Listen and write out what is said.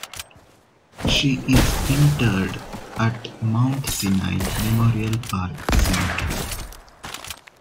She is interred at Mount Sinai Memorial Park Cemetery.